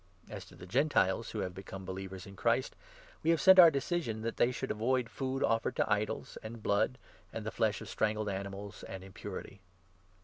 As to the Gentiles who have become believers in Christ, 25 we have sent our decision that they should avoid food offered to idols, and blood, and the flesh of strangled animals, and impurity."